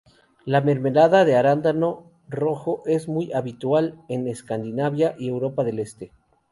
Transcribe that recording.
La mermelada de arándano rojo es muy habitual en Escandinavia y Europa del Este.